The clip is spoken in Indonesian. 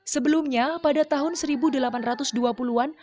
sebelumnya pada tahun seribu delapan ratus dua puluh an